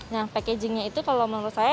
nah packagingnya itu kalau menurut saya